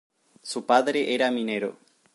Su padre era minero.